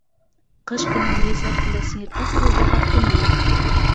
Ҡыш көнө мейес аҫтында сиңерткә сырылдаһа, көн йылытыр.